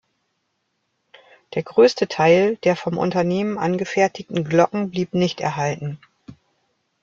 Der größte Teil der vom Unternehmen angefertigten Glocken blieb nicht erhalten.